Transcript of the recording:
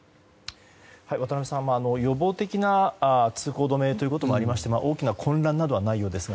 渡辺さん、予防的な通行止めということもありまして大きな混乱などはないようですが。